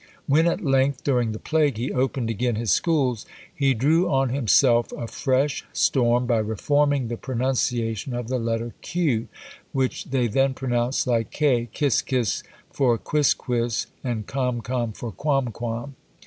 When at length, during the plague, he opened again his schools, he drew on himself a fresh storm by reforming the pronunciation of the letter Q, which they then pronounced like K Kiskis for Quisquis, and Kamkam for Quamquam.